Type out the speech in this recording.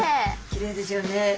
きれいですよね。